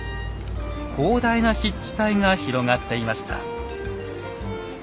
広大な湿地帯が広がっていました。